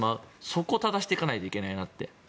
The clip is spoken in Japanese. そこを正していかないといけないなって。